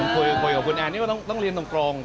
คุยกับคุณแอนนี่ว่าต้องเรียนตรง